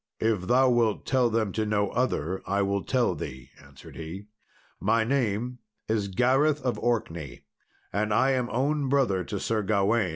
"If thou wilt tell them to no other, I will tell thee," answered he. "My name is Gareth of Orkney, and I am own brother to Sir Gawain."